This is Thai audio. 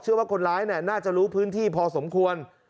ว่าคนร้ายน่าจะรู้พื้นที่พอสมควร